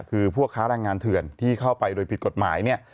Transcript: คือพวกค้าแรงงานเถื่อนที่เข้าไปโดยผิดกฎหมายเนี่ย